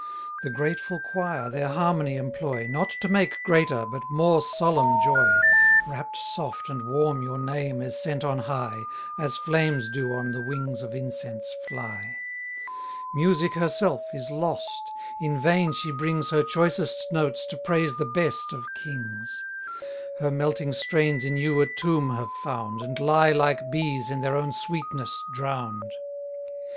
The grateful choir their harmony employ, Not to make greater, but more solemn joy. 50 Wrapt soft and warm your name is sent on high, As flames do on the wings of incense fly: Music herself is lost; in vain she brings Her choicest notes to praise the best of kings: Her melting strains in you a tomb have found, And lie like bees in their own sweetness drown'd.